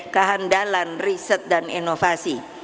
kehandalan riset dan inovasi